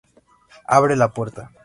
abre la puerta